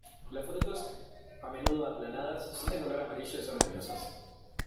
Las frutas, a menudo, aplanadas, son de color amarillo y son espinosas.